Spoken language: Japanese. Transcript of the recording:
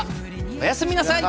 おやすみなさい。